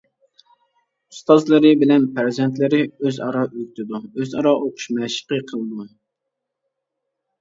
ئۇستازلىرى بىلەن پەرزەنتلىرى ئۆزئارا ئۆگىتىدۇ، ئۆزئارا ئوقۇش مەشقى قىلىدۇ.